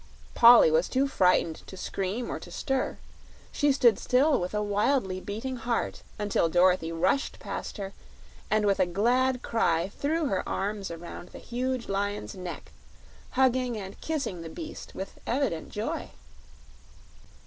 Polly was too frightened to scream or to stir; she stood still with a wildly beating heart until Dorothy rushed past her and with a glad cry threw her arms around the huge lion's neck, hugging and kissing the beast with evident joy.